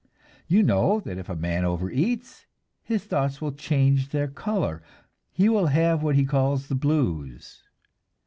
You know that if a man overeats, his thoughts will change their color; he will have what he calls "the blues."